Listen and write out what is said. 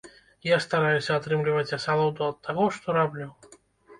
Я стараюся атрымліваць асалоду ад таго, што раблю.